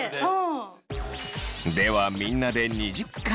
ではみんなで２０回！